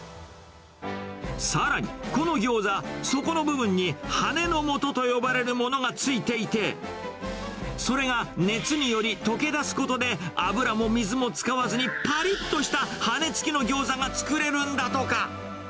さらに、このギョーザ、底の部分に羽根のもとと呼ばれるものがついていて、それが熱により溶け出すことで、油も水も使わずにぱりっとした羽根つきのギョーザが作れるんだとか。